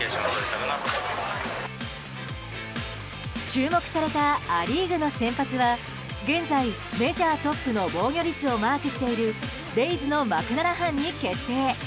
注目されたア・リーグの先発は現在、メジャートップの防御率をマークしているレイズのマクラナハンに決定。